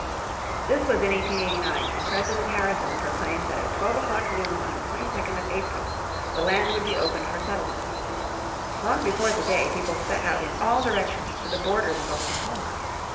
This was in 1889 and President Harrison proclaimed that at twelve o'clock noon on the 22nd of April the land would be opened for settlement. Long before the day people set out in all directions to the borders of Oklahoma.